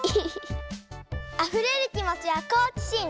あふれるきもちはこうきしん！